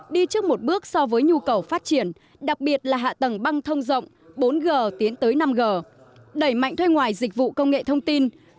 đi trước một bước so với nhu cầu phát triển đặc biệt là hạ tầng băng thông rộng bốn g tiến tới năm g đẩy mạnh thuê ngoài dịch vụ công nghệ thông tin